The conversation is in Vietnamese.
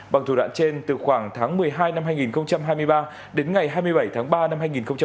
bằng thủ đoạn trên từ khoảng tháng một mươi hai năm hai nghìn hai mươi ba đến ngày hai mươi bảy tháng ba năm hai nghìn hai mươi ba